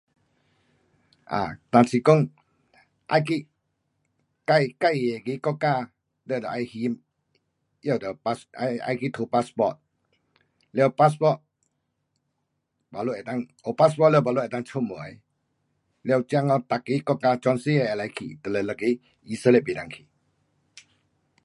如果说要去自己的国家，要求讨 passport 了 passport 有 passport baru 能够出门。每个国家都可以去，就以色列不能去。